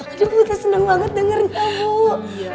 aduh bu saya seneng banget dengarnya bu